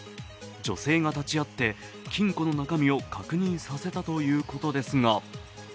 女性が立ち会って金庫の中身を確認させたということですが